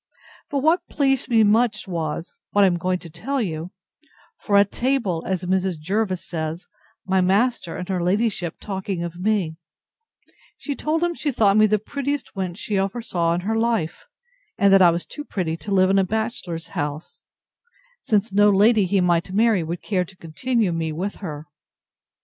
But what pleased me much was, what I am going to tell you; for at table, as Mrs. Jervis says, my master and her ladyship talking of me, she told him she thought me the prettiest wench she ever saw in her life; and that I was too pretty to live in a bachelor's house; since no lady he might marry would care to continue me with her.